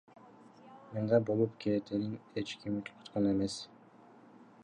Мындай болуп кетээрин эч ким күткөн эмес.